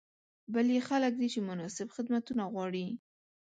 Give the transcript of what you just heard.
بل یې خلک دي چې مناسب خدمتونه غواړي.